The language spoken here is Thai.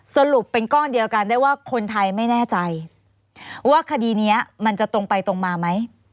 สรุปเป็นก้อนเดียวกันได้ว่าคนไทยไม่แน่ใจว่าคดีนี้มันจะตรงไปตรงมาไหม